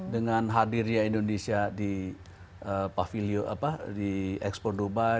dengan hadirnya indonesia di pavilio apa di ekspor dubai